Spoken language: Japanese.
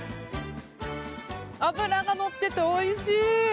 脂がのっていておいしい！